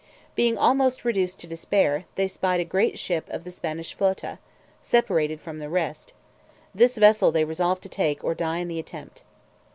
Being almost reduced to despair, they spied a great ship of the Spanish flota, separated from the rest; this vessel they resolved to take, or die in the attempt.